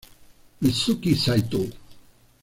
Mitsuki Saitō